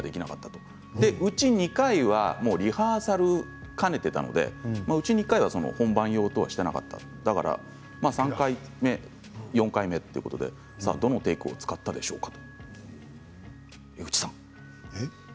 そのうちの２回はリハーサルを兼ねていたので本番用としていなかった３回目４回目ということでさあ、どのテークを使ったでしょうか。